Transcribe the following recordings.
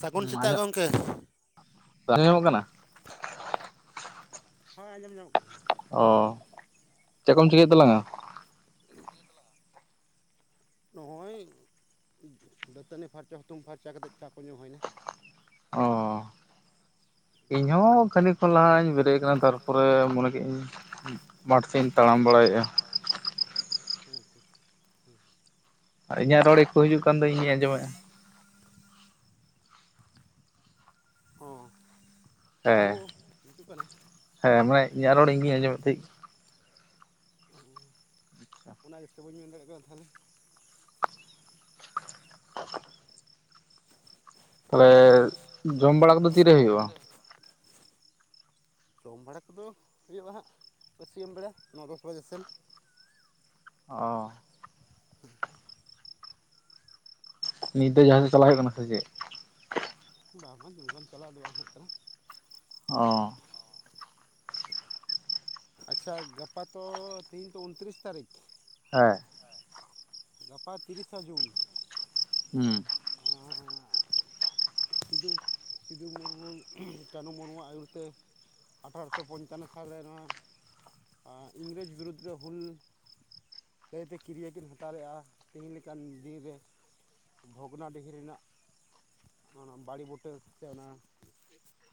ᱥᱟᱹᱜᱩᱱ ᱥᱮᱛᱟᱜ ᱜᱚᱢᱠᱮ ᱾ ᱵᱟᱝ ᱧᱟᱢᱚᱜ ᱠᱟᱱᱟ? ᱦᱳᱭ ᱟᱸᱡᱚᱢ ᱧᱟᱢᱚᱜ ᱠᱟᱱᱟ᱾ ᱚᱻ ᱪᱮᱫ ᱠᱚᱢ ᱪᱤᱠᱟᱹᱭᱮᱫ ᱛᱟᱞᱟᱝᱟ? [inaudible] ᱱᱚᱜᱼᱚᱭ ᱫᱟᱹᱛᱟᱹᱱᱤ ᱯᱷᱟᱨᱪᱟ ᱦᱩᱛᱩᱢ ᱯᱷᱟᱨᱪᱟ ᱠᱟᱛᱮᱫ ᱪᱟ ᱠᱚ ᱧᱩ ᱦᱩᱭᱮᱱᱟ᱾ ᱚ ᱤᱧ ᱦᱚᱸ ᱠᱷᱟᱹᱱᱤ ᱠᱚ ᱞᱟᱦᱟᱧ ᱵᱮ ᱨᱮ ᱠᱟᱱᱟ ᱛᱟᱨ ᱯᱚᱨᱮ ᱢᱚᱱᱮ ᱠᱮᱫᱟᱹᱧ ᱢᱟᱴᱷ ᱥᱮᱫ ᱤᱧ ᱛᱟᱲᱟᱢ ᱵᱟᱲᱟᱭᱮᱫᱼᱟ᱾ [unintelligible] ᱤᱧᱟᱜ ᱨᱚᱲᱤ [unintelligible] ᱚ [unintelligible] ᱦᱮᱸ ᱦᱤᱠᱳ ᱦᱤᱡᱩᱜ ᱠᱟᱱᱟ? ᱦᱮᱸ ᱢᱟᱱᱮ ᱤᱧᱟᱜ ᱨᱚᱲ ᱤᱧ ᱜᱤᱧ ᱟᱸᱚᱢ ᱢᱮᱫ ᱛᱟᱸᱦᱮᱫ᱾ ᱚ ᱚᱱᱟ ᱜᱤᱛᱚ ᱵᱟᱹᱧ ᱢᱮᱱ ᱫᱟᱲᱮᱭᱟᱜ ᱠᱟᱱᱟ ᱛᱟᱦᱚᱞᱮ᱾ ᱛᱟᱦᱚᱞᱮ ᱡᱚᱢ ᱡᱚᱢ ᱵᱟᱲᱟ ᱠᱚᱫᱚ ᱛᱤ ᱨᱮ ᱦᱩᱭᱩᱜᱼᱟ? ᱡᱚᱢ ᱵᱟᱲᱟ ᱠᱚᱫᱚ ᱦᱩᱭᱩᱜᱼᱟ ᱦᱟᱸᱜ ᱵᱟᱹᱤᱭᱟᱹᱢ ᱵᱮᱲᱟ ᱱᱚ ᱫᱚᱥ ᱵᱟᱡᱮ ᱥᱮᱱ᱾ ᱚ ᱱᱤᱛ ᱫᱚ ᱡᱟᱦᱟᱸᱥᱮᱫ ᱪᱟᱞᱟᱜ ᱦᱩᱭᱩᱜ ᱠᱟᱱᱟ ᱥᱮ ᱪᱮᱫ? ᱵᱟ ᱵᱟᱝ ᱱᱚᱱᱠᱟᱱ ᱪᱟᱞᱟᱣ ᱫᱚ ᱵᱟᱱᱝ ᱦᱩᱭᱩᱜ ᱠᱟᱱᱟ᱾ ᱚ ᱟᱪᱪᱷᱟ ᱜᱟᱯᱟ ᱛᱚ ᱛᱤᱦᱤᱧ ᱛᱚ ᱩᱱᱛᱨᱤᱥ ᱛᱟᱹᱨᱤᱠᱷ? ᱦᱮᱸ ᱦᱮᱸ ᱜᱟᱯᱟ ᱛᱤᱨᱤᱥᱟ ᱡᱩᱱ᱾ ᱦᱩᱸ ᱟᱸᱻ ᱥᱤᱫᱩ ᱥᱤᱫᱩ ᱢᱩᱨᱢᱩ ᱠᱟᱹᱱᱩ ᱢᱩᱨᱢᱩᱣᱟᱜ ᱟᱹᱭᱩᱨ ᱛᱮ, ᱟᱴᱷᱷᱟᱨᱚᱥᱚ ᱯᱚᱧᱪᱟᱱᱱᱚ ᱥᱟᱞᱨᱮ ᱱᱚᱣᱟ ᱟᱸ ᱤᱝᱨᱮᱡᱽ ᱵᱤᱨᱩᱫᱽ ᱨᱮ ᱦᱩᱞ [unintelligible] ᱛᱮ ᱠᱤᱨᱭ ᱠᱤᱱ ᱦᱟᱛᱟᱣ ᱞᱮᱫᱜᱼᱟ ᱛᱮᱦᱤᱤᱧ ᱞᱮᱠᱟᱱ ᱫᱤᱱ ᱨᱮ᱾ ᱵᱷᱚᱜᱽᱱᱟᱰᱤᱦᱤ ᱨᱮᱱᱟᱜ ᱚᱱᱟ ᱵᱟᱲᱮ ᱵᱩᱴᱟᱹ ᱥᱮ ᱚᱱᱟ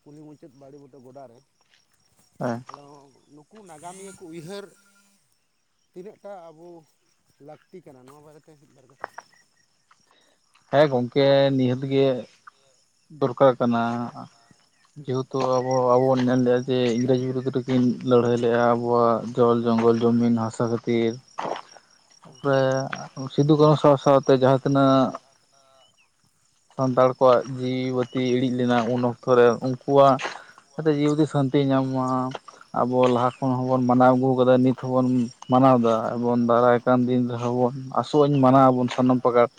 ᱠᱩᱞᱦᱤ ᱢᱩᱪᱟᱹᱫ ᱵᱟᱲᱮ ᱵᱩᱴᱟᱹ ᱜᱚᱰᱟᱨᱮ᱾ ᱦᱮᱸ ᱚᱸ ᱱᱩᱠᱩ ᱱᱟᱜᱟᱢᱤᱭᱟᱹ ᱠᱚ ᱩᱭᱦᱟᱹᱨ ᱛᱤᱱᱟᱹᱜᱴᱟ ᱟᱵᱳ ᱞᱟᱹᱠᱛᱤ ᱠᱟᱱᱟ, ᱱᱚᱣᱟ ᱵᱟᱨᱮᱛᱮ ᱢᱤᱫᱵᱟᱨ ᱠᱟᱛᱷᱟ᱾ ᱦᱮᱸ ᱜᱚᱝᱠᱮ ᱱᱤᱦᱟᱹᱛ ᱜᱮ ᱫᱚᱨᱠᱟᱨ ᱠᱟᱱᱟ ᱡᱮᱦᱮᱛᱩ ᱟᱵᱚ ᱟᱵᱚ ᱵᱚᱱ ᱧᱮᱞ ᱞᱮᱜᱼᱟ ᱡᱮ ᱤᱝᱨᱮᱡᱽ ᱵᱤᱨᱩᱫᱽ ᱨᱮ ᱠᱤᱱ ᱞᱟᱹᱲᱦᱟᱹᱭ ᱞᱮᱜᱼᱟ ᱟᱵᱚᱣᱟᱜ ᱡᱚᱞ ᱡᱚᱝᱜᱚᱞ ᱡᱚᱢᱤᱱ ᱦᱟᱥᱟ ᱠᱷᱟᱹᱛᱤᱨ, ᱦᱮᱸ ᱛᱟᱯᱚᱨᱮ ᱥᱤᱫᱩ ᱠᱟᱹᱱᱩ ᱥᱟᱶ ᱥᱟᱶᱛᱮ ᱡᱟᱦᱟᱸ ᱛᱤᱱᱟᱹᱜ [unintelligible] ᱥᱟᱱᱛᱟᱲ ᱠᱚᱣᱟᱜ ᱡᱤᱣᱤ ᱵᱟᱹᱛᱤ ᱤᱲᱤᱡ ᱞᱮᱱᱟ ᱩᱱ ᱚᱠᱛᱚ ᱨᱮ ᱩᱱᱠᱩᱣᱟᱜ ᱡᱟᱛᱮ ᱡᱤᱣᱤ ᱵᱟᱹᱛᱤ ᱥᱟᱹᱱᱛᱤᱭ ᱧᱟᱢ ᱢᱟ ᱾ ᱟᱵᱚ ᱞᱟᱦᱟ ᱠᱷᱚᱱ ᱦᱚᱵᱚᱱ ᱢᱟᱱᱟᱣ ᱟᱹᱜᱩ ᱟᱠᱟᱫᱟ ᱱᱤᱛ ᱦᱚᱵᱚᱱ ᱢᱟᱱᱟᱣ ᱫᱟ᱾ ᱮᱵᱚᱱ ᱫᱟᱨᱟᱭ ᱠᱟᱱ ᱫᱤᱱ ᱨᱮᱦᱚᱸ ᱵᱚᱱ ᱟᱥᱚᱜ ᱟᱹᱧ ᱢᱟᱱᱟᱣ ᱟᱵᱚᱱ ᱥᱟᱱᱟᱢ ᱯᱟᱠᱟᱴ᱾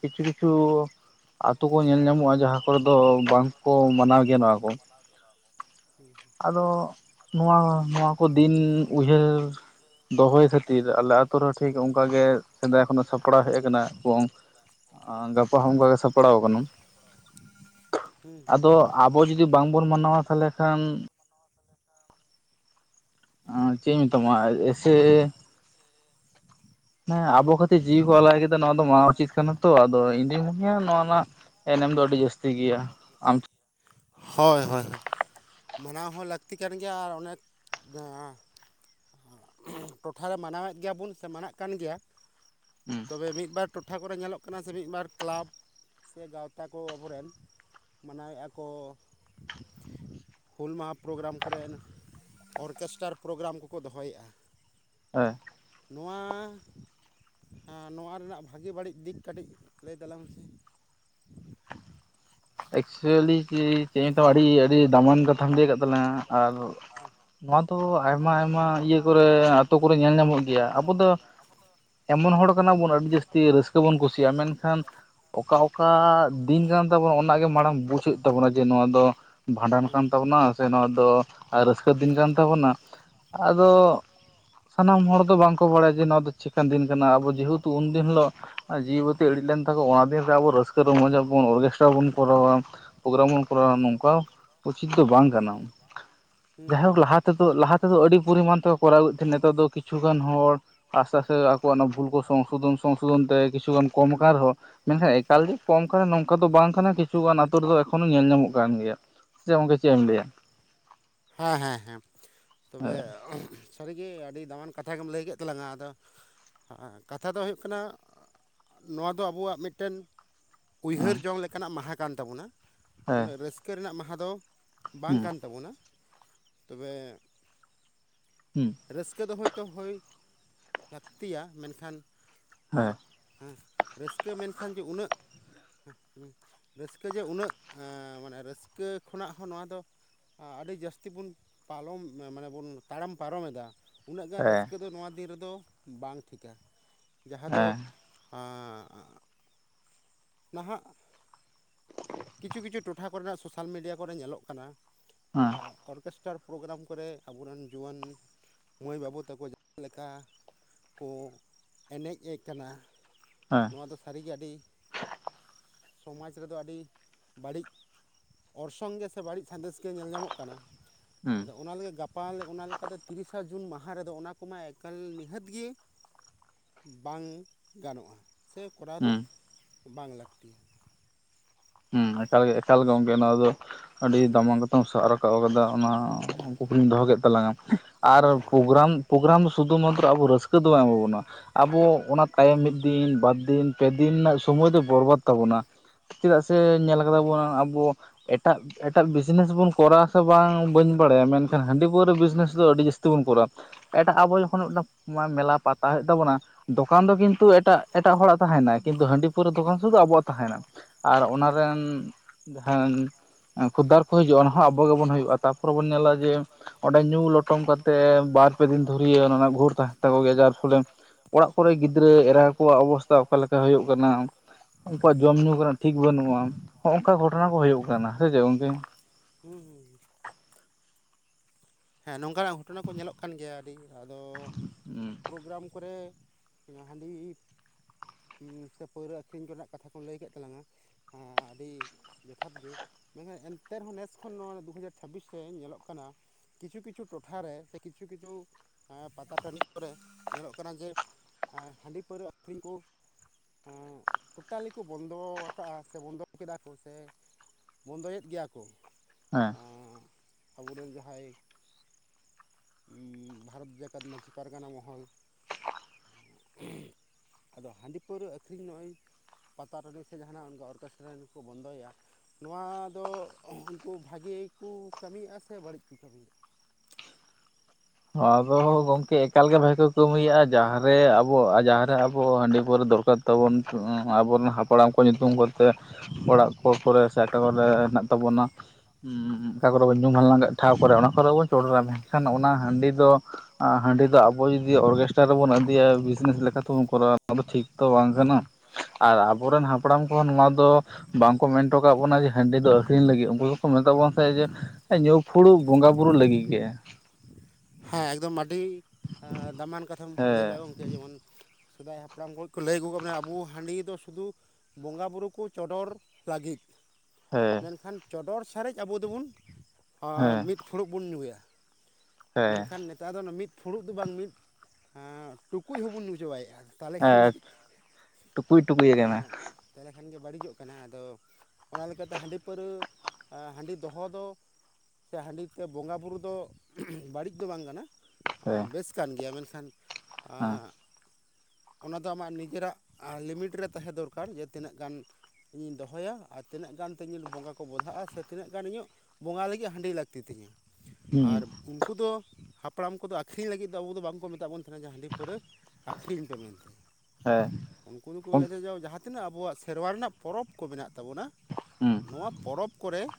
ᱠᱤᱪᱷᱩ ᱠᱤᱪᱷᱩ ᱟᱛᱳ ᱠᱚ ᱧᱮᱞ ᱧᱟᱢ ᱟᱛᱳ ᱠᱚ ᱧᱮᱞ ᱧᱟᱢᱚᱜᱼᱟ ᱡᱟᱦᱟᱸ ᱠᱚᱨᱮ ᱫᱚ ᱜᱮᱭᱟ ᱵᱟᱝᱠᱚ ᱱᱚᱣᱟ ᱠᱚ ᱢᱟᱱᱟᱣ ᱜᱮᱭᱟ ᱱᱚᱣᱟ ᱠᱚ ᱦᱩ ᱦᱩ ᱱᱩᱣᱟ ᱱᱩᱣᱟ ᱠᱚ ᱫᱤᱱ ᱩᱭᱦᱟᱹᱨ ᱫᱚᱦᱚᱭ ᱠᱷᱟᱹᱛᱤᱨ ᱟᱞᱮ ᱟᱛᱳ ᱨᱮᱦᱚᱸ ᱴᱷᱤᱠ ᱚᱱᱠᱟ ᱜᱮ ᱥᱮᱫᱟᱭ ᱠᱷᱚᱱᱟᱜ ᱥᱟᱯᱲᱟᱣ ᱦᱮᱡ ᱟᱠᱟᱱᱟ ᱠᱚᱝ ᱟᱸ ᱜᱟᱯᱟ ᱦᱚᱸ ᱚᱱᱠᱟ ᱜᱮ ᱥᱟᱯᱲᱟᱣ ᱟᱠᱟᱱᱟ᱾ [unintelligible] ᱦᱩ ᱦᱩ ᱟᱫᱚ ᱟᱵᱚ ᱡᱩᱫᱤ ᱵᱟᱝᱵᱚᱱ ᱢᱟᱱᱟᱣᱟ ᱛᱟᱦᱞᱮ ᱠᱷᱟᱱ ᱪᱮᱫ ᱤᱧ ᱢᱮᱛᱟᱢᱟ ᱮᱹᱥᱮ ᱦᱮ ᱟᱵᱚ ᱠᱷᱟᱹᱛ ᱡᱤᱣᱤ ᱠᱚ ᱟᱞᱟᱭ ᱠᱮᱫᱟ ᱱᱚᱣᱟ ᱫᱚ ᱢᱟᱣ ᱩᱪᱤᱛ ᱠᱟᱱᱟ ᱛᱚ, ᱟᱫᱚ ᱤᱧ ᱫᱩᱧ ᱢᱚᱱᱮᱭᱟ ᱱᱚᱣᱟ ᱨᱮᱱᱟᱜ ᱮᱱᱮᱢ ᱫᱚ ᱟᱹᱰᱤ ᱡᱟᱹᱥ ᱛᱤ ᱜᱮᱭᱟ, ᱟᱢ ᱦᱚᱭᱻ ᱦᱚᱭᱻ ᱦᱚᱭᱻ ᱢᱟᱱᱟᱣ ᱦᱚᱸ ᱞᱟᱹᱠᱛᱤ ᱠᱟᱱ ᱜᱮᱭᱟ᱾ ᱟᱨ ᱚᱱᱮᱠ ᱴᱚᱴᱷᱟᱨᱮ ᱢᱟᱱᱟᱣᱮᱫ ᱜᱮᱭᱟᱵᱚᱱ, ᱥᱮ ᱢᱟᱱᱟᱜ ᱠᱟᱱ ᱜᱮᱭᱟ᱾ ᱛᱚᱵᱮ ᱢᱤᱫ ᱵᱟᱨ ᱴᱚᱴᱷᱟ ᱠᱚᱨᱮ ᱧᱮᱞᱚᱜ ᱠᱟᱱᱟ, ᱥᱮ ᱢᱤᱫ ᱵᱟᱨ ᱠᱞᱟᱵᱽ ᱥᱮ ᱜᱟᱶᱛᱟ ᱠᱚ ᱟᱵᱚᱨᱮᱱ ᱢᱟᱱᱟᱣᱮᱜᱼᱟ ᱠᱚ ᱦᱩᱞ ᱢᱟᱦᱟ ᱯᱨᱳᱜᱨᱟᱢ ᱠᱚᱨᱮᱱ ᱚᱨᱠᱮᱥᱴᱟᱨ ᱯᱨᱳᱜᱨᱟᱢ ᱠᱚᱠᱚ ᱫᱚᱦᱚᱭᱮᱜᱼᱟ ᱾ ᱦᱮᱸᱻ ᱱᱚᱣᱟ ᱦᱮᱸ ᱱᱚᱣᱟ ᱨᱮᱱᱟᱜ ᱵᱷᱟᱹᱜᱮ ᱵᱟᱹᱲᱤᱡ ᱫᱤᱠ ᱠᱟᱹᱴᱤᱡ ᱞᱟᱹᱭ ᱫᱟᱞᱟᱝ ᱢᱮᱥᱮ? ᱮᱹᱠᱪᱩᱭᱮᱞᱤ ᱠᱤ ᱪᱮᱫ ᱤᱧ ᱢᱤᱛᱟᱢᱟ, ᱟᱹᱰᱤ ᱟᱹᱰᱤ ᱫᱟᱢᱟᱱ ᱠᱟᱛᱷᱟᱢ ᱞᱟᱹᱭ ᱟᱠᱟᱫ ᱛᱟᱞᱟᱝᱟ ᱟᱨ ᱱᱚᱣᱟ ᱫᱚ ᱟᱭᱢᱟ ᱟᱭᱢᱟ ᱤᱭᱟᱹ ᱠᱚᱨᱮ ᱟᱛᱳ ᱠᱚᱨᱮ ᱧᱮᱞ ᱧᱟᱢᱚᱜ ᱜᱮᱭᱟ ᱟᱵᱚ ᱫᱚ ᱢᱮᱥᱮ ᱮᱢᱚᱱ ᱦᱚᱲ ᱠᱟᱱᱟ ᱵᱚᱱ ᱟᱹᱰᱤ ᱡᱟᱹᱥᱛᱤ ᱨᱟᱹᱥᱠᱟᱹ ᱵᱚᱱ ᱠᱩᱥᱤᱭᱟᱜᱼᱟ᱾ ᱢᱮᱱᱠᱷᱟᱱ ᱚᱠᱟ ᱚᱠᱟ ᱫᱤᱱ ᱠᱟᱱ ᱛᱟᱵᱚᱱ ᱚᱱ ᱚᱱᱟᱜ ᱜᱮ ᱢᱟᱲᱟᱝ ᱵᱩᱡᱽ ᱦᱳᱭᱳᱜ ᱛᱟᱵᱚᱱᱟ᱾ ᱡᱮ ᱱᱚᱣᱟ ᱫᱚ ᱵᱷᱟᱸᱰᱟᱱ ᱦᱮᱸ ᱠᱟᱱ ᱛᱟᱵᱚᱱᱟ ᱥᱮ ᱱᱚᱣᱟ ᱫᱚ ᱟᱨ ᱨᱟᱹᱥᱠᱟᱹ ᱫᱤᱱ ᱠᱟᱱ ᱛᱟᱵᱚᱱᱟ᱾ ᱟᱫᱚ ᱥᱟᱱᱟᱢ ᱦᱚᱲ ᱫᱚ ᱵᱟᱝᱠᱚ ᱵᱟᱲᱟᱭᱟ, ᱡᱮ ᱱᱚᱣᱟ ᱫᱚ ᱪᱮᱫᱠᱟᱱ ᱫᱤᱱ ᱠᱟᱱᱟ, ᱟᱵᱚ ᱡᱮᱦᱮᱛᱩ ᱩᱱ ᱫᱤᱱ ᱦᱤᱞᱳᱜ ᱡᱤᱣᱤ ᱵᱟᱹᱛᱤ ᱟᱹᱲᱤᱡ ᱞᱮᱱ ᱛᱟᱠᱚᱣᱟ ᱚᱱᱟ ᱫᱤᱱ, ᱟᱵᱚ ᱨᱟᱹᱥᱠᱟᱹ ᱨᱚᱢᱚᱡᱽ ᱟᱵᱚᱱ ᱚᱨᱜᱮᱥᱴᱟᱨ ᱵᱚᱱ ᱠᱚᱨᱟᱣᱟ, ᱯᱳᱜᱨᱟᱢ ᱵᱚᱱ ᱠᱚᱨᱟᱣᱟ ᱱᱚᱝᱠᱟ ᱩᱪᱤᱛ ᱫᱚ ᱵᱟᱝ ᱠᱟᱱᱟ᱾ ᱡᱟᱭᱦᱳᱠ ᱞᱟᱦᱟᱛ ᱛᱮᱫᱚ, ᱞᱟᱦᱟ ᱛᱮᱫᱚ ᱟᱹᱰᱤ ᱯᱚᱨᱤᱢᱟᱱ ᱛᱮᱠᱚ ᱠᱚᱨᱟᱣ ᱟᱹᱜᱩᱭᱮᱫ ᱛᱟᱦᱮᱸᱫ ᱱᱤᱛᱚᱜ ᱫᱚ ᱠᱤᱪᱷᱩ ᱜᱟᱱ ᱦᱚᱲ ᱟᱥᱛᱮ ᱟᱥᱛᱮ ᱟᱠᱚᱣᱟᱜ ᱚᱱᱟ ᱵᱷᱩᱞ ᱠᱚ ᱥᱚᱝᱥᱳᱫᱷᱚᱱ, ᱥᱚᱝᱥᱳᱫᱷᱚᱱ ᱛᱮ ᱠᱤᱪᱷᱩᱜᱟᱱ ᱠᱚᱢ ᱠᱟᱱ ᱨᱮᱦᱚᱸ ᱢᱮᱱᱠᱷᱟᱱ ᱮᱠᱟᱞ ᱜᱮ ᱠᱚᱢ ᱠᱟᱱᱟ ᱱᱚᱝᱠᱟ ᱫᱚ ᱵᱟᱝ ᱠᱟᱱᱟ᱾ ᱠᱤᱪᱷᱩᱜᱟᱱ ᱟᱛᱳ ᱨᱮᱫᱚ, ᱮᱠᱷᱚᱱᱳ ᱧᱮᱞ ᱧᱟᱢᱚᱜ ᱠᱟᱱ ᱜᱮᱭᱟ, ᱥᱮ ᱪᱮᱫ ᱜᱚᱝᱠᱮ ᱪᱮᱫ ᱮᱢ ᱞᱟᱹᱭᱟ? ᱦᱮᱸᱻ ᱦᱮᱸᱻ ᱦᱮᱸᱻ ᱛᱚᱵᱮ ᱦᱮᱸ ᱥᱟᱹᱨᱤᱜᱮ ᱟᱹᱰᱤ ᱫᱟᱢᱟᱱ ᱠᱟᱛᱷᱟ ᱜᱮᱢ ᱞᱟᱹᱭ ᱠᱮᱫ ᱛᱟᱞᱟᱝᱟ, ᱟᱫᱚ ᱠᱟᱛᱷᱟ ᱫᱚ ᱦᱩᱭᱩᱜ ᱠᱟᱱᱟ, ᱱᱚᱣᱟ ᱫᱚ ᱟᱵᱚᱣᱟᱜ ᱢᱮᱫᱴᱮᱱ ᱦᱮᱸ ᱩᱭᱦᱟᱹᱨ ᱡᱚᱝ ᱞᱮᱠᱟᱱᱟᱜ ᱢᱟᱦᱟ ᱠᱟᱱ ᱛᱟᱵᱚᱱᱟ᱾ ᱦᱮᱸ ᱩᱱᱟᱹᱜ ᱨᱟᱹᱥᱠᱟᱹ ᱨᱮᱱᱟᱜ ᱢᱟᱦᱟ ᱫᱚ ᱵᱟᱝ ᱦᱮᱸ ᱠᱟᱱ ᱛᱟᱵᱚᱱᱟ᱾ ᱛᱚᱵᱮ ᱦᱩᱸᱻ᱾ ᱨᱟᱹᱥᱠᱟᱹ ᱫᱚ ᱦᱳᱭᱛᱚ ᱦᱳᱭ ᱞᱟᱹᱠᱛᱤᱭᱟ᱾ ᱢᱮᱱᱠᱷᱟᱱ ᱦᱮᱸ ᱦᱮᱸ ᱦᱮᱸ ᱨᱟᱹ ᱦᱮᱸ ᱨᱟᱹᱥᱠᱟᱹ ᱢᱮᱱᱠᱷᱟᱱ ᱡᱮ ᱩᱱᱟᱹᱜ ᱮ ᱦᱮᱸ ᱨᱟᱹᱥᱠᱟᱹ ᱡᱮ ᱩᱱᱟᱹᱜ ᱢᱟᱱᱮ ᱨᱟᱹᱥᱠᱟᱹ ᱠᱷᱚᱱᱟᱜ ᱦᱚ, ᱸ ᱱᱚᱣᱟ ᱫᱚ ᱟᱹᱰᱤ ᱡᱟᱹᱥ ᱡᱟᱹᱥᱛᱤ ᱵᱚᱱ ᱯᱟᱞᱚᱢ ᱢᱟᱱᱮ ᱵᱚᱱ ᱛᱟᱲᱟᱢ ᱯᱟᱨᱚᱢ ᱮᱫᱟ᱾ ᱩᱱᱟᱹᱜ ᱜᱟᱱ ᱨᱟᱹᱥᱠᱟᱹ ᱫᱚ ᱱᱚᱣᱟ ᱫᱤᱱ ᱨᱮᱫᱚ ᱵᱟᱝ ᱴᱷᱤᱠᱟ᱾ ᱡᱟᱦᱟᱸ ᱫᱚ ᱱᱟᱦᱟᱸᱜ ᱠᱤᱪᱷᱩ-ᱠᱤᱪᱷᱩ ᱴᱚᱴᱷᱟ ᱠᱚᱨᱮᱱᱟᱜ ᱥᱳᱥᱟᱞ ᱢᱤᱰᱤᱭᱟ ᱠᱚᱨᱮ ᱧᱮᱞᱚᱜ ᱠᱟᱱᱟ, ᱦᱮᱸ ᱟᱸ᱾ ᱚᱨᱠᱮᱥᱴᱟᱨ ᱯᱨᱳᱜᱨᱟᱢ ᱠᱚᱨᱮ, ᱟᱵᱚᱨᱮᱱ ᱡᱩᱣᱟᱹᱱ ᱢᱟᱹᱭ ᱵᱟᱹᱵᱩ ᱛᱟᱠᱚ ᱡᱟᱦᱟᱸ ᱞᱮᱠᱟ ᱠᱚ ᱮᱱᱮᱡ ᱮ ᱠᱟᱱᱟ, ᱦᱮᱸ ᱦᱮᱸ ᱱᱚᱣᱟ ᱫᱚ ᱥᱟᱹᱨᱤᱜᱮ ᱟᱹᱰᱤ ᱥᱚᱢᱟᱡᱽ ᱨᱮᱫᱚ ᱟᱹᱰᱤ ᱵᱟᱹᱲᱤᱡ ᱚᱨᱥᱚᱝ ᱜᱮ ᱥᱮ ᱵᱟᱹᱲᱤᱡ ᱥᱟᱸᱱᱫᱮᱥ ᱜᱮ ᱧᱮᱞ ᱧᱟᱢᱚᱜ ᱠᱟᱱᱟ᱾ ᱦᱩᱸ ᱟᱫᱚ ᱚᱱᱟ ᱞᱟᱹᱜᱤᱫ ᱜᱟᱯ ᱜᱟᱯᱟ ᱚᱱᱟ ᱞᱮᱠᱟᱛᱮ ᱛᱤᱨᱤᱥᱟ ᱡᱩᱱ ᱢᱟᱦᱟ ᱨᱮᱫᱚ ᱚᱱᱟ ᱠᱚᱢᱟ ᱮᱠᱟᱞ ᱱᱤᱦᱟᱹᱛ ᱜᱮ ᱵᱟᱝ ᱜᱟᱱᱚᱜᱼᱟ, ᱥᱮ ᱠᱚᱨᱟᱣ ᱫᱚ ᱦᱩᱸ ᱵᱟᱝ ᱞᱟᱹᱠᱛᱤᱭᱟ᱾ ᱦᱮᱸ ᱮᱠᱟᱞ ᱜᱮ ᱮᱠᱟᱞ ᱜᱚᱝᱠᱮ ᱱᱚᱣᱟ ᱫᱚ ᱟᱹᱰᱤ ᱫᱟᱢᱟᱱ ᱠᱟᱛᱷᱟᱢ ᱥᱟᱵ ᱨᱟᱠᱟᱵ ᱠᱟᱫᱟ᱾ ᱦᱮᱸ ᱚᱱᱟᱠᱩ ᱫᱚᱦᱚ ᱠᱮᱫ ᱛᱟᱞᱟᱝᱟ, ᱟᱨ ᱦᱮᱸ ᱯᱚᱜᱽᱨᱟᱢ- ᱯᱚᱜᱽᱨᱟᱢ ᱫᱚ ᱥᱩᱫᱷᱩ ᱢᱟᱛᱨᱚ ᱟᱵᱚ ᱨᱟᱹᱥᱠᱟᱹ ᱫᱚ ᱵᱟᱭ ᱮᱢᱟ ᱵᱚᱱᱟ᱾ ᱟᱵᱚ ᱚᱱᱟ ᱛᱟᱭᱚᱢ ᱢᱤᱫ ᱫᱤᱱ, ᱵᱟᱨᱫᱤᱱ, ᱯᱮ ᱫᱤᱱ, ᱨᱮᱱᱟᱜ ᱥᱚᱢᱚᱭ ᱫᱚ ᱵᱚᱨᱵᱟᱫ ᱛᱟᱵᱚᱱᱟ᱾ ᱪᱮᱫᱟᱜ ᱥᱮ ᱧᱮᱞ ᱠᱟᱫᱟ ᱵᱚᱱ, ᱟᱵᱚ ᱮᱴᱟᱜ ᱮᱴᱟᱜ ᱵᱤᱡᱽᱱᱮᱥ ᱵᱚᱱ ᱠᱚᱨᱟᱣ ᱥᱮ ᱵᱟᱝ ᱵᱟᱹᱧ ᱵᱟᱲᱟᱭᱟ ᱢᱮᱱᱠᱷᱟᱱ ᱦᱟᱺᱰᱤ ᱯᱟᱹᱣᱨᱟᱹ ᱵᱤᱡᱱᱮᱥ ᱫᱚ ᱟᱹᱰᱤ ᱡᱟᱹᱥᱛᱤ ᱵᱚᱱ ᱠᱚᱨᱟᱣᱟ᱾ ᱮᱴᱟᱜ ᱟᱵᱚ ᱡᱚᱠᱷᱚᱱ ᱢᱤᱫᱴᱟᱝ ᱢᱮᱞᱟ ᱯᱟᱛᱟ ᱦᱩᱭᱩᱜ ᱛᱟᱵᱚᱱᱟ, ᱫᱚᱠᱟᱱ ᱫᱚ ᱦᱮᱸ ᱠᱤᱱᱛᱩ ᱮᱴᱟᱜ ᱮᱴᱟᱜ ᱦᱚᱲᱟᱜ ᱛᱟᱦᱮᱱᱟ ᱠᱤᱱᱛᱩ ᱦᱟᱺᱰᱤ ᱯᱟᱹᱣᱨᱟᱹ ᱫᱚᱠᱟᱱ ᱥᱩᱫᱩ ᱟᱵᱚᱣᱟᱜ ᱛᱟᱦᱮᱱᱟ᱾ ᱟᱨ ᱚᱱᱟ ᱛᱟᱦᱮᱱᱟ ᱨᱮᱱ ᱡᱟᱦᱟᱸᱟᱱ ᱠᱷᱩᱽᱫᱟᱨ ᱠᱚ ᱦᱤᱡᱩᱜᱼᱟ ᱚᱱᱟᱦᱚᱸ ᱟᱵᱚ ᱜᱮᱵᱚᱱ ᱦᱩᱭᱩᱜᱼᱟ, ᱛᱟᱨᱯᱚᱨᱮ ᱵᱚᱱ ᱧᱮᱞᱟ ᱡᱮ ᱚᱸᱰᱮ ᱧᱩ ᱞᱩ ᱴᱚᱢ ᱠᱟᱛᱮ ᱵᱟᱨ ᱯᱮ ᱫᱤᱱ ᱫᱷᱚᱨᱭ ᱚᱱᱟ ᱨᱮᱱᱟᱜ ᱜᱳᱨ ᱛᱟᱦᱮᱱ ᱛᱟᱠᱚ ᱜᱮᱭᱟ, ᱡᱟᱨ ᱯᱷᱚᱞᱮ ᱚᱲᱟᱜ ᱠᱚᱨᱮ ᱜᱤᱫᱽᱨᱟᱹ ᱮᱨᱟ ᱠᱚᱣᱟᱜ ᱚᱵᱚᱥᱛᱟ ᱚᱠᱟᱮ ᱞᱮᱠᱟ ᱦᱩᱭᱩᱜ ᱠᱟᱱᱟ, ᱩᱱᱠᱩᱣᱟᱜ ᱡᱚᱢ ᱧᱩ ᱠᱚᱨᱮᱱᱟᱜ ᱴᱷᱤᱠ ᱵᱟᱹᱱᱩᱜᱼᱟ ᱦᱚᱜ ᱱᱚᱝᱠᱟ ᱜᱷᱚᱴᱚᱱᱟ ᱠᱚ ᱦᱩᱭᱩᱜ ᱠᱟᱱᱟ ᱥᱮ ᱪᱮ ᱜᱚᱝᱠᱮ? ᱦᱩᱸ ᱦᱩᱸ ᱦᱮᱸ ᱱᱚᱝᱠᱟᱱᱟᱜ ᱜᱷᱚᱴᱚᱱᱟ ᱠᱚ ᱧᱮᱞᱚᱜ ᱠᱟᱱ ᱜᱮᱭᱟ ᱟᱹᱰᱤ ᱟᱫᱚ ᱯᱨᱳᱜᱨᱟᱢ ᱠᱚᱨᱮ, ᱦᱟᱺᱰᱤ ᱥᱮ ᱯᱟᱹᱣᱨᱟᱹ ᱟᱹᱠᱷᱨᱤᱧ ᱠᱚᱨᱮᱱᱟᱜ ᱠᱟᱛᱷᱟ ᱠᱚ ᱞᱟᱹᱭ ᱠᱮᱫ ᱛᱟᱞᱟᱝᱟ ᱦᱮᱸ ᱟᱹᱰᱤ ᱡᱚᱛᱷᱟᱛ ᱜᱮ ᱢᱮᱱᱠᱷᱟᱱ ᱮᱱᱛᱮ ᱨᱮᱦᱚᱸ ᱱᱮᱥ ᱠᱷᱚᱱ ᱫᱩ ᱦᱟᱡᱟᱨ ᱪᱷᱟᱵᱵᱤᱥ ᱨᱮ ᱧᱮᱞᱚᱜ ᱠᱟᱱᱟ ᱠᱤᱪᱷᱩ ᱠᱤᱪᱷᱩ ᱴᱚᱴᱷᱟᱨᱮ ᱥᱮ ᱠᱤᱪᱷᱩ ᱠᱤᱪᱷᱩ ᱯᱟᱛᱟ ᱴᱟᱺᱰᱤ ᱠᱚᱨᱮᱜ ᱧᱮᱞᱚᱜ ᱠᱟᱱᱟ ᱡᱮ, ᱦᱟᱺᱰᱤ ᱯᱟᱹᱣᱨᱟᱹ ᱟᱹᱠᱷᱨᱤᱧ ᱠᱚ ᱴᱳᱴᱟᱞᱤ ᱠᱚ ᱵᱚᱱᱫᱚ ᱠᱟᱜᱼᱟ ᱥᱮ ᱵᱚᱱᱫᱚ ᱠᱮᱫᱟ ᱠᱚ ᱥᱮ ᱵᱚᱱᱫᱚᱭᱮᱫ ᱜᱮᱭᱟ ᱠᱚ, ᱦᱮᱸ ᱟᱵᱚᱨᱮᱱ ᱡᱟᱦᱟᱸᱭ ᱵᱷᱟᱨᱚᱛ ᱡᱟᱠᱟᱛ ᱢᱟᱹᱡᱷᱤ ᱯᱟᱨᱜᱟᱱᱟ ᱢᱚᱦᱚᱞ ᱟᱫᱚ ᱦᱟᱺᱰᱤ ᱯᱟᱹᱣᱨᱟᱹ ᱟᱹᱠᱷᱨᱤᱧ ᱱᱚᱜᱼᱚᱭ ᱯᱟᱛᱟ ᱴᱟᱺᱰᱤ ᱥᱮ ᱡᱟᱦᱱᱟᱜ ᱚᱝᱠᱟ ᱚᱨᱠᱮᱥᱴᱨᱟ ᱨᱮᱱᱤ ᱠᱚ ᱵᱚᱱᱫᱚᱭᱟ, ᱱᱚᱣᱟ ᱫᱚ ᱩᱱᱠᱩ ᱵᱷᱟᱜᱮ ᱠᱚ ᱠᱟᱹᱢᱤᱭᱮᱫᱼᱟ, ᱥᱮ ᱵᱟᱹᱲᱤᱡ ᱠᱚ ᱠᱟᱹᱢᱤᱭᱮᱫᱼᱟ᱾ ᱟᱫᱚ ᱜᱚᱝᱠᱮ ᱮᱠᱟᱞ ᱜᱮ ᱵᱷᱟᱹ ᱜᱮ ᱠᱚ ᱠᱟᱹᱢᱤᱭᱮᱫᱼᱟ ᱡᱟᱦᱟᱸᱨᱮ ᱟᱵᱚ ᱡᱟᱦᱟᱸᱨᱮ ᱟᱵᱚ ᱦᱟᱺᱰᱤ ᱯᱟᱹᱣᱨᱟᱹ ᱫᱚᱨᱠᱟᱨ ᱛᱟᱵᱚᱱ ᱟᱵᱚᱨᱮᱱ ᱦᱟᱯᱲᱟᱢ ᱠᱚ ᱧᱩᱛᱩᱢ ᱠᱚᱛᱮ ᱚᱲᱟᱜ ᱠᱚ ᱠᱚᱨᱮ ᱥᱮ ᱮᱴᱟ ᱠᱚᱨᱮ ᱦᱮᱱᱟᱜ ᱛᱟᱵᱚᱱᱟ, ᱚᱠᱟ ᱠᱚᱨᱮ ᱵᱚᱱ ᱧᱩᱢ ᱦᱟᱞᱟᱝ ᱮᱫ ᱴᱷᱟᱶ ᱠᱚᱨᱮ ᱚᱱᱟ ᱠᱚᱨᱮ ᱵᱚᱱ ᱪᱚᱰᱚᱨᱟ ᱢᱮᱱᱠᱷᱟᱱ ᱚᱱᱟ ᱦᱟᱺᱰᱤ ᱫᱚ, ᱟᱨ ᱦᱟᱺᱰᱤ ᱫᱚ ᱟᱵᱚ ᱡᱩᱫᱤ ᱚᱨᱜᱮᱥᱴᱨᱟ ᱨᱮᱵᱚᱱ ᱤᱫᱤᱭᱟ ᱵᱤᱡᱽᱱᱮᱥ ᱞᱮᱠᱟᱛᱮᱵᱚᱱ ᱠᱚᱨᱟᱣᱟ ᱚᱱᱟ ᱫᱚ ᱴᱷᱤᱠ ᱛᱚ ᱵᱟᱝ ᱠᱟᱱᱟ, ᱟᱨ ᱟᱵᱚᱨᱮᱱ ᱦᱮᱸ ᱦᱟᱯᱲᱟᱢ ᱱᱚᱣᱟ ᱫᱚ ᱵᱟᱝᱠᱚ ᱢᱮᱱ ᱦᱚᱴᱚ ᱠᱟᱜ ᱵᱚᱱᱟ ᱡᱮ ᱦᱟᱺᱰᱤ ᱫᱚ ᱟᱠᱷᱨᱤᱧ ᱞᱟᱹᱜᱤᱫ, ᱩᱱᱠᱩ ᱫᱚᱠᱚ ᱢᱮᱛᱟᱜ ᱵᱚᱱᱟ ᱡᱮ ᱧᱩ ᱯᱷᱩᱲᱩᱜ ᱵᱚᱸᱜᱟ ᱵᱩᱨᱩᱜ ᱞᱟᱹᱜᱤᱫ ᱜᱮ᱾ ᱦᱮᱸ ᱮᱠᱫᱚᱢ ᱟᱹᱰᱤ ᱫᱟᱢᱟᱱ ᱠᱟᱛᱷᱟᱢ ᱞᱟᱹᱭ ᱦᱮᱸ ᱠᱟᱜᱼᱟ, ᱜᱚᱢᱠᱮ ᱡᱮᱢᱚᱱ ᱥᱮᱫᱟᱭ ᱦᱟᱯᱲᱟᱢ ᱠᱚ ᱠᱚ ᱞᱟᱹᱭ ᱟᱹᱜᱩ ᱟᱠᱟ ᱵᱚᱱᱟ ᱟᱵᱚ ᱦᱟᱺᱰᱤ ᱫᱚ ᱥᱩᱫᱩ ᱵᱚᱸᱜᱟᱼᱵᱩᱨᱩ ᱠᱚ ᱪᱚᱰᱚᱨ ᱞᱟᱹᱜᱤᱫ, ᱦᱮᱸ ᱢᱮᱱᱠᱷᱟᱱ ᱪᱚᱰᱚᱨ ᱥᱟᱨᱮᱡ ᱟᱵᱚ ᱫᱚᱵᱚᱱ ᱦᱮᱸ ᱢᱤᱫ ᱯᱷᱩᱲᱩᱜ ᱵᱚᱱ ᱧᱩᱭᱟ᱾ ᱦᱮᱸ ᱢᱮᱱᱠᱷᱟᱱ ᱱᱮᱛᱟᱨ ᱫᱚ ᱢᱤᱫ ᱯᱷᱩᱲᱩᱜ ᱫᱚ ᱵᱟᱝ ᱢᱤᱫ ᱴᱩᱠᱩᱡ ᱦᱚᱸᱵᱚᱱ ᱧᱩ ᱪᱟᱵᱟᱭᱮᱫᱼᱟ᱾ ᱛᱟᱦᱚᱞᱮ ᱠᱷᱟᱱ ᱦᱮᱸ ᱜᱮ, ᱴᱩᱠᱩᱭ ᱴᱩᱠᱩᱭ ᱟᱠᱟᱱᱟ ᱛᱟᱦᱚᱞᱮ ᱠᱷᱟᱱ ᱜᱮ ᱵᱟᱹᱲᱤᱡᱚᱜ ᱠᱟᱱᱟ ᱟᱫᱚ ᱚᱱᱟ ᱞᱮᱠᱟᱛᱮ ᱦᱟᱺᱰᱤ ᱯᱟᱹᱣᱨᱟᱹ ᱦᱟᱺᱰᱤ ᱫᱚᱦᱚ ᱫᱚ, ᱥᱮ ᱦᱟᱺᱰᱤ ᱛᱮ ᱵᱚᱸᱜᱟᱼ ᱵᱩᱨᱩ ᱫᱚ ᱵᱟᱹᱲᱤᱡ ᱫᱚ ᱵᱟᱝ ᱠᱟᱱᱟ, ᱦᱮᱸ ᱵᱮᱥ ᱠᱟᱱ ᱜᱮᱭᱟ ᱢᱮᱱᱠᱷᱟᱱ ᱦᱮᱸ ᱟᱸᱜ ᱚᱱᱟ ᱫᱚ ᱟᱢᱟᱜ ᱱᱤᱡᱮᱨᱟᱜ ᱞᱤᱢᱤᱴ ᱨᱮ ᱛᱟᱦᱮᱸ ᱫᱚᱨᱠᱟᱨ ᱡᱮ ᱛᱤᱱᱟᱹᱜ ᱜᱟᱱ ᱤᱧᱤᱧ ᱫᱚᱦᱚᱭᱟ ᱟᱨ ᱛᱤᱱᱟᱹᱜ ᱜᱟᱱᱛᱮ ᱤᱧᱟᱹᱜ ᱵᱚᱸᱜᱟ ᱠᱚ ᱵᱚᱫᱷᱼᱟ, ᱥᱮ ᱛᱤᱱᱟᱹᱜ ᱜᱟᱱ ᱤᱧᱟᱹᱜ ᱵᱚᱸᱜᱟ ᱞᱟᱹᱜᱤᱫ ᱦᱟᱺᱰᱤ ᱞᱟᱹᱠᱛᱤ ᱛᱤᱧᱟᱹ ᱦᱩᱸ ᱟᱨ ᱩᱱᱠᱩ ᱫᱚ ᱦᱟᱯᱲᱟᱢ ᱠᱚᱫᱚ ᱟᱹᱠᱷᱨᱤᱧ ᱞᱟᱹᱜᱤᱫ ᱫᱚ ᱟᱵᱚ ᱫᱚ ᱵᱟᱝᱠᱚ ᱢᱮᱛᱟᱜ ᱵᱚᱱ ᱛᱟᱦᱮᱱᱟ ᱦᱟᱺᱰᱤ ᱯᱟᱹᱣᱨᱟᱹ ᱟᱠᱷᱨᱤᱧ ᱯᱮ ᱢᱮᱱᱛᱮ ᱦᱮᱸ ᱩᱱᱠᱩ ᱫᱚᱠᱚ ᱦᱩᱸ ᱢᱮᱱᱮᱫ ᱛᱟᱦᱮᱸ ᱡᱮ ᱡᱟᱦᱟᱸ ᱡᱟᱦᱟᱸ ᱛᱤᱱᱟᱹᱜ ᱟᱵᱚᱣᱟᱜ ᱥᱮᱨᱣᱟ ᱨᱮᱱᱟᱜ ᱯᱚᱨᱚᱵᱽ ᱠᱚ ᱢᱮᱱᱟᱜ ᱛᱟᱵᱚᱱᱟ ᱦᱩᱸ ᱱᱚᱣᱟ ᱯᱚᱨᱚᱵᱽ ᱠᱚᱨᱮ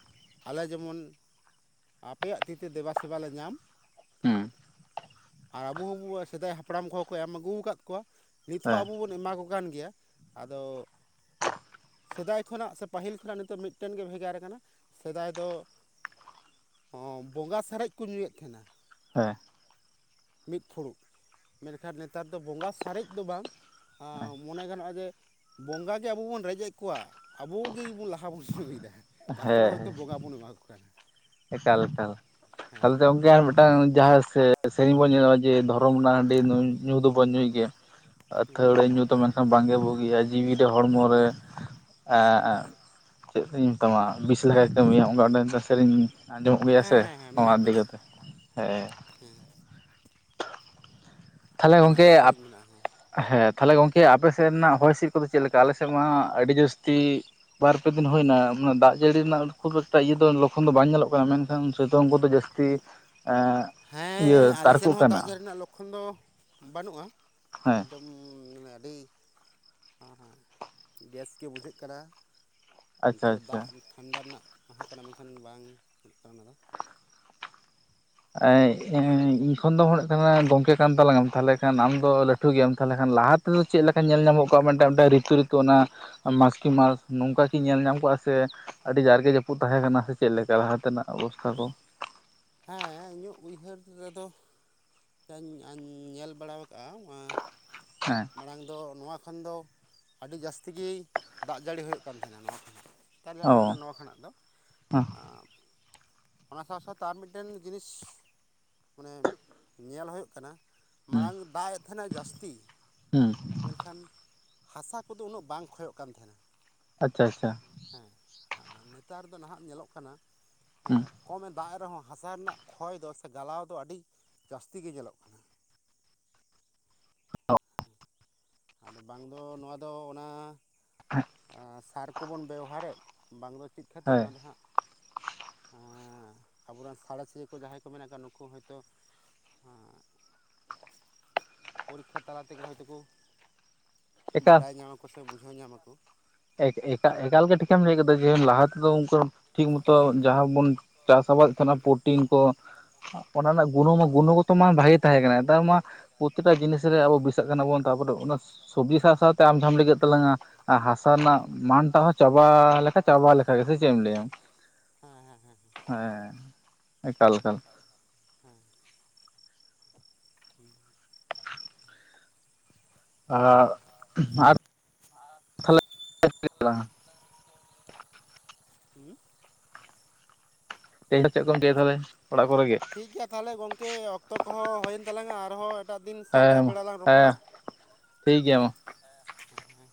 ᱟᱞᱮ ᱡᱮᱢᱚᱱ ᱟᱯᱮᱭᱟᱜ ᱛᱤᱛᱮ ᱫᱮᱵᱟᱥᱮᱵᱟ ᱞᱮ ᱧᱟᱢ, ᱦᱮᱸ ᱟᱨ ᱟᱵᱚ ᱦᱚᱸ ᱥᱮᱫᱟᱭ ᱦᱟᱯᱲᱟᱢ ᱠᱚᱦᱚᱸ ᱠᱚ ᱮᱢ ᱟᱜᱩᱣᱟᱠᱟᱫ ᱠᱚᱣᱟ ᱱᱤᱛ ᱦᱚᱸ ᱦᱮᱸ ᱟᱵᱚ ᱵᱚᱱ ᱮᱢᱟ ᱠᱚ ᱠᱟᱱ ᱜᱮᱭᱟ ᱟᱫᱚ ᱥᱮᱫᱟᱭ ᱠᱷᱚᱱᱟᱜ ᱥᱮ ᱯᱟᱹᱦᱤᱞ ᱠᱷᱚᱱᱟᱜ ᱱᱤᱛᱚᱜ ᱢᱤᱫᱴᱮᱱ ᱜᱮ ᱵᱷᱮᱜᱟᱨ ᱠᱟᱱᱟ ᱥᱮᱫᱟᱭ ᱫᱚ ᱦᱚᱸ ᱵᱚᱸᱜᱟ ᱥᱟᱨᱮᱡ ᱠᱚ ᱧᱩᱭᱮᱫ ᱛᱟᱦᱮᱱᱟ᱾ ᱦᱮᱸ ᱢᱤᱫ ᱯᱷᱩᱲᱩᱜ ᱢᱮᱱᱠᱷᱟᱱ ᱱᱮᱛᱟᱨ ᱫᱚ ᱵᱚᱸᱜᱟ ᱥᱟᱨᱮᱡ ᱫᱚ ᱵᱟᱝ ᱢᱚᱱᱮ ᱜᱟᱱᱚᱜᱼᱟ ᱡᱮ ᱵᱚᱸᱜᱟ ᱜᱮ ᱟᱵᱚ ᱵᱚᱱ ᱨᱮᱡᱮᱫ ᱠᱚᱣᱟ ᱟᱵᱚ ᱜᱮ ᱵᱚᱱ ᱞᱟᱦᱟ ᱵᱚᱱ ᱧᱩᱭᱮᱫᱟ ᱛᱟᱨᱯᱚᱨᱮ ᱦᱮᱸ ᱦᱚᱭᱛᱳ ᱵᱚᱸᱜᱟ ᱵᱚᱱ ᱮᱢᱟ ᱠᱚ ᱠᱟᱱᱟ᱾ ᱮᱠᱟᱞ ᱮᱠᱟᱞ ᱛᱟᱦᱚᱞᱮ ᱦᱮᱸ ᱛᱚ ᱦᱮᱸ ᱢᱤᱫᱴᱟᱝ ᱡᱟᱦᱟᱸ ᱥᱮᱨᱮᱧ ᱵᱚᱱ ᱧᱮᱞᱚᱜᱼᱟ ᱡᱮ ᱫᱷᱚᱨᱚᱢ ᱨᱮᱱᱟᱜ ᱦᱟᱺᱰᱤ ᱧᱩ ᱫᱚ ᱵᱚᱱ ᱧᱩᱭᱮᱫ ᱜᱮᱭᱟ ᱟᱹᱛᱷᱟᱹᱲᱤ ᱧᱩ ᱫᱚ ᱢᱮᱱᱠᱷᱟᱱ ᱵᱟᱝᱜᱮ ᱵᱩᱜᱤᱜᱼᱟ ᱡᱤᱣᱤ ᱨᱮ ᱦᱚᱲᱢᱚ ᱨᱮ ᱪᱮᱫ ᱤᱧ ᱢᱮᱛᱟᱢᱟ ᱵᱤᱥ ᱞᱮᱠᱟᱭ ᱠᱟᱹᱢᱤᱭᱟ ᱚᱱᱠᱟ ᱢᱤᱴᱫ ᱥᱮᱨᱮᱧ ᱟᱸᱡᱚᱢᱚᱜ ᱜᱮᱭᱟ ᱥᱮ ᱦᱮᱸ ᱦᱮᱸ ᱦᱮᱸ ᱱᱚᱣᱟ ᱢᱮᱱᱟᱜᱼᱟ ᱤᱫᱤ ᱢᱮᱱᱟᱜᱼᱟ ᱠᱟᱛᱮ ᱦᱮᱸ ᱦᱮᱸ ᱛᱟᱦᱞᱮ ᱢᱮᱱᱟᱜᱼᱟ ᱜᱚᱝᱠᱮ ᱚᱱᱟ ᱟᱯ ᱥᱮᱨᱮᱧ ᱢᱮᱱᱟᱜᱼᱟ ᱦᱮᱸ ᱦᱮᱸ ᱛᱟᱦᱚᱞᱮ ᱜᱚᱝᱠᱮ ᱟᱯᱮᱥᱮᱫ ᱨᱮᱱᱟᱜ ᱦᱚᱭ ᱦᱤᱸᱥᱤᱫ ᱠᱚᱫᱚ ᱪᱮᱫ ᱞᱮᱠᱟ ᱟᱞᱮᱥᱮᱫ ᱢᱟ ᱟᱹᱰᱤ ᱡᱟᱹᱥᱛᱤ ᱵᱟᱨ ᱯᱮ ᱫᱤᱱ ᱦᱩᱭᱱᱟ ᱢᱟᱱᱮ ᱫᱟᱜ ᱡᱟᱹᱲᱤ ᱨᱮᱱᱟᱜ ᱠᱷᱩᱵ ᱮᱠᱴᱟ ᱤᱭᱟᱹ ᱫᱚ ᱞᱚᱠᱠᱷᱚᱱ ᱫᱚ ᱵᱟᱝ ᱧᱮᱞᱚᱜ ᱠᱟᱱᱟ ᱢᱮᱱᱠᱷᱟᱱ ᱥᱤᱛᱩᱝ ᱠᱚᱫᱚ ᱡᱟᱹᱥᱛᱤ ᱤᱭᱟᱹ ᱦᱮᱸ ᱟᱞᱮ ᱥᱮᱫ ᱛᱟᱨᱠᱚᱜ ᱦᱚᱸ ᱠᱟᱱᱟ ᱫᱟᱜ ᱡᱟᱹᱲᱤ ᱨᱮᱱᱟᱜ ᱞᱚᱠᱠᱷᱚᱱ ᱫᱚ ᱵᱟᱹᱱᱩᱜᱼᱟ᱾ ᱦᱮᱸ ᱟᱹᱰᱤ ᱦᱮᱸ ᱜᱮᱥ ᱜᱮ ᱵᱩᱡᱷᱟᱹᱜ ᱠᱟᱱᱟ ᱟᱪᱪᱷᱟ ᱱᱤᱛᱚᱜ ᱟᱪᱪᱷᱟ ᱫᱟᱜ ᱴᱷᱟᱱᱰᱟ ᱨᱮᱱᱟᱜ ᱛᱟᱸᱦᱮ ᱠᱟᱱᱟ ᱢᱮᱱᱠᱷᱟᱱ ᱵᱟᱝ ᱪᱮᱛ ᱠᱟᱱᱟ ᱚᱱᱟ ᱫᱚ ᱤᱧ ᱠᱷᱚᱱ ᱫᱚ ᱦᱚᱲ ᱠᱟᱱᱟ ᱜᱚᱝᱠᱮ ᱠᱟᱱ ᱛᱟᱞᱟᱝ ᱟᱢ ᱛᱟᱦᱚᱞᱮ ᱠᱷᱟᱱ ᱟᱢᱫᱚ ᱞᱟᱹᱴᱷᱩ ᱜᱮᱭᱟᱢ ᱛᱟᱦᱚᱞᱮ ᱠᱷᱟᱱ ᱞᱟᱦᱟᱛᱮ ᱫᱚ ᱪᱮᱫ ᱞᱮᱠᱟ ᱧᱮᱞ ᱧᱟᱢᱚᱜ ᱠᱚᱼᱟᱴ ᱢᱤᱫᱴᱟᱝ ᱨᱤᱛᱩ ᱨᱤᱛᱩ ᱚᱱᱟ ᱢᱟᱠ ᱠᱤ ᱢᱟᱥ ᱱᱚᱝᱠᱟ ᱠᱤ ᱧᱮᱞ ᱧᱟᱢ ᱠᱚᱜᱼᱟ ᱥᱮ ᱟᱹᱰᱤ ᱡᱟᱨᱜᱮ ᱡᱟᱹᱯᱩᱫ ᱛᱟᱦᱮᱸ ᱠᱟᱱᱟ ᱥᱮ ᱪᱮᱫ ᱞᱮᱠᱟ ᱞᱟᱦᱟ ᱛᱮᱱᱟᱜ? ᱚᱵᱚᱥᱛᱷᱟ ᱠᱚ ᱦᱮᱸ ᱤᱧᱟᱹᱜ ᱩᱭᱦᱟᱹᱨ ᱨᱮᱫᱚ ᱡᱟᱧ ᱧᱮᱞ ᱵᱟᱲᱟ ᱟᱠᱟᱫᱼᱟ ᱦᱮᱸ ᱢᱟᱲᱟᱝ ᱫᱚ ᱱᱚᱣᱟ ᱠᱷᱚᱱ ᱫᱚ ᱟᱹᱰᱤ ᱡᱟᱹᱥᱛᱤ ᱜᱮ ᱫᱟᱜ ᱡᱟᱹᱲᱤ ᱦᱩᱭᱩᱜ ᱠᱟᱱ ᱛᱟᱦᱮᱸᱱᱟ ᱱᱚᱣᱟ ᱠᱷᱚᱱ ᱪᱮᱛᱟᱨ ᱡᱟᱦᱟᱸ ᱚ ᱦᱩᱭᱩᱜ ᱠᱟᱱᱟ ᱱᱚᱣᱟ ᱠᱷᱚᱱᱟᱜ ᱫᱚ ᱦᱩᱸ ᱮ ᱚᱱᱟ ᱥᱟᱶ ᱥᱟᱶᱛᱮ ᱟᱨ ᱢᱤᱫᱴᱮᱱ ᱡᱤᱱᱤᱥ ᱢᱟᱱᱮ ᱧᱮᱞ ᱦᱩᱭᱩᱜ ᱠᱟᱱᱟ ᱢᱟᱲᱟᱝ ᱫᱟᱜ ᱮᱫ ᱛᱟᱦᱮᱱᱟ ᱡᱟᱹᱥᱛᱤ ᱦᱩᱸ ᱢᱮᱱᱠᱷᱟᱱ ᱦᱟᱥᱟ ᱠᱚᱫᱚ ᱩᱱᱟᱹᱜ ᱵᱟᱝ ᱠᱷᱚᱭᱚᱜ ᱠᱟᱱ ᱛᱟᱦᱮᱱᱟ ᱟᱪᱪᱷᱟ ᱟᱪᱪᱷᱟ ᱦᱮᱸ ᱟᱨ ᱱᱮᱛᱟᱨ ᱫᱚ ᱱᱟᱦᱟᱜ ᱧᱮᱞᱚᱜ ᱠᱟᱱᱟ ᱦᱩᱸ ᱦᱮᱸ ᱠᱚᱢ ᱫᱟᱜ ᱨᱮᱦᱚᱸ ᱦᱟᱥᱟ ᱨᱮᱱᱟᱜ ᱠᱷᱚᱭ ᱫᱚ ᱥᱮ ᱜᱟᱞᱟᱣ ᱫᱚ ᱟᱹᱰᱤ ᱡᱟᱹᱥᱛᱤ ᱜᱮ ᱧᱮᱞᱚᱜ ᱠᱟᱱᱟ ᱟᱫᱚ ᱵᱟᱝ ᱫᱚ ᱱᱚᱣᱟ ᱫᱚ ᱚᱱᱟ ᱦᱮ ᱥᱟᱨ ᱠᱚᱵᱚᱱ ᱵᱮᱣᱦᱟᱨᱮᱫ ᱵᱟᱝ ᱫᱚ ᱪᱮᱫ ᱠᱷᱟᱹᱛᱤᱨ ᱦᱳᱭ ᱚᱱᱟ ᱫᱚ ᱦᱟᱸᱜ ᱟᱵᱚᱨᱮᱱ ᱥᱟᱬᱮᱥᱤᱭᱟᱹᱤᱭᱟᱹ ᱠᱚ ᱡᱟᱦᱟᱸᱭ ᱠᱚ ᱢᱮᱱᱟᱜ ᱠᱚᱟᱜ ᱱᱩᱠᱩ ᱦᱚᱭᱛᱳ ᱯᱚᱨᱤᱠᱠᱷᱟ ᱛᱟᱞᱟ ᱛᱮᱜᱮ ᱦᱳᱭᱛᱳᱠᱚ ᱵᱟᱰᱟᱭ ᱧᱟᱢᱟ ᱟᱠᱚ ᱥᱮ ᱵᱩᱡᱷᱟᱹᱣ ᱧᱟᱢ ᱟᱠᱚ ᱮᱠᱟᱞᱜᱮ ᱴᱷᱤᱠᱮᱢ ᱞᱟᱹᱭ ᱠᱟᱫᱟ ᱡᱮ ᱞᱟᱦᱟ ᱛᱮᱫᱚᱠᱩ ᱴᱷᱤᱠ ᱢᱚᱛᱚ ᱡᱟᱦᱟᱸ ᱵᱚᱱ ᱪᱟᱥ ᱟᱵᱟᱫᱮᱫ ᱛᱟᱦᱮᱱᱟ ᱯᱨᱚᱴᱤᱱ ᱠᱚ ᱚᱱᱟ ᱨᱮᱱᱟᱜ ᱦᱮᱸ ᱜᱩᱱᱚᱢ ᱜᱩᱱᱚᱜᱚᱛᱚ ᱢᱟ ᱵᱷᱟᱜᱮ ᱛᱟᱦᱮᱸ ᱠᱟᱱᱟ ᱱᱮᱛᱟᱨ ᱢᱟ ᱯᱨᱚᱛᱤᱴᱟ ᱡᱤᱱᱤᱥ ᱟᱵᱚ ᱵᱤᱥᱟᱜ ᱠᱟᱱᱟ ᱵᱚᱱ ᱛᱟᱯᱚᱨᱮ ᱚᱱᱟ ᱥᱚᱵᱡᱤ ᱥᱟᱶ ᱥᱟᱶᱛᱮ ᱟᱢ ᱡᱟᱦᱟᱸᱢ ᱞᱟᱹᱭ ᱛᱟᱞᱟᱝᱟ ᱦᱟ ᱨᱮᱱᱟᱜ ᱢᱟᱱᱴᱟᱜ ᱦᱚᱸ ᱪᱟᱵᱟ ᱞᱮᱠᱟ ᱪᱟᱵᱟ ᱞᱮᱠᱟ ᱜᱮ ᱥᱮ ᱪᱮᱫ ᱮᱢ ᱞᱟᱹᱭᱟ ᱦᱮᱸ ᱦᱮᱸ ᱦᱮᱸ ᱦᱮᱸ ᱮᱠᱟᱞ ᱮᱠᱟᱞ ᱦᱮᱸ ᱦᱩᱸ ᱚ ᱟᱨ [unintelligible] [unintelligible] ᱦᱩᱸ ᱛᱮᱦᱮᱧ ᱫᱚ ᱪᱮᱫ ᱠᱚᱢ ᱪᱟ ᱛᱟᱦᱮ ᱚᱲᱟᱜ ᱠᱚᱨᱮᱜ ᱜᱮ ᱴᱷᱤᱠ ᱜᱮᱭᱟ ᱛᱟᱦᱚᱞᱮ ᱜᱚᱝᱠᱮ ᱚᱠᱛᱚ ᱠᱚᱦᱚᱸ ᱦᱩᱭᱮᱱ ᱛᱟᱞᱟᱝᱟ ᱟᱨᱦᱚᱸ ᱮᱴᱟᱜ ᱫᱤᱱ ᱥᱮ ᱦᱮᱸ ᱮᱴᱟᱜ ᱢᱟ ᱵᱮᱲᱟ ᱞᱟᱝ ᱦᱮᱸ ᱨᱚᱯᱚᱲᱟ ᱴᱷᱤᱠ ᱜᱮᱭᱟ ᱢᱟ ᱦᱮᱸ